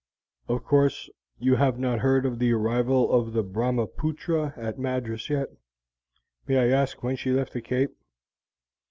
"Of course, you have not heard of the arrival of the Brahmapootra at Madras yet. May I ask when she left the Cape?"